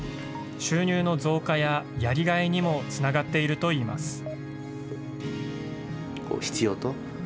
収入の増加ややりがいにもつながっているといいます。